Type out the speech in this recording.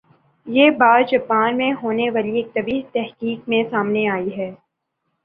یہ بات جاپان میں ہونے والی ایک طبی تحقیق میں سامنے آئی ہے